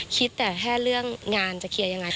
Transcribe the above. คิดแต่แค่เรื่องงานจะเคลียร์ยังไง